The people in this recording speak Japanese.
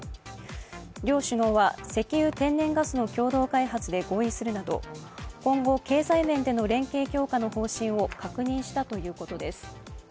両首脳は石油・天然ガスの共同開発で合意するなど今後、経済面での連携強化の方針を確認したということです。